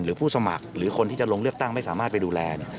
ผู้สมัครหรือคนที่จะลงเลือกตั้งไม่สามารถไปดูแล